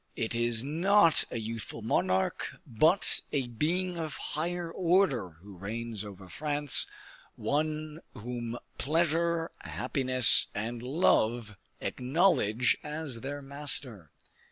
It is not a youthful monarch, but a being of higher order, who reigns over France, one whom pleasure, happiness, and love acknowledge as their master."